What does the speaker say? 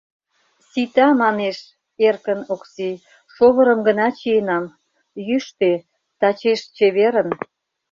— Сита, — манеш эркын Окси, — шовырым гына чиенам... йӱштӧ... тачеш чеверын!..